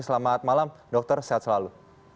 selamat malam dokter sehat selalu